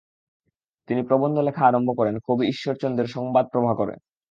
তিনি প্রবন্ধ লেখা আরম্ভ করেন কবি ইশ্বরচন্দ্রের ‘সংবাদ প্রভাকর’-এ।